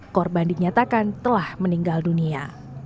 korban dinyatakan telah meninggal dunia